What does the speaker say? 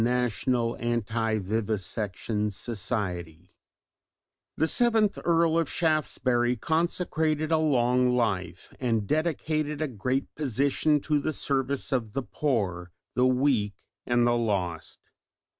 Edwards after Frederick Sandys] The seventh Earl of Shaftesbury consecrated a long life, and dedicated a great position to the service of the poor, the weak and the lost.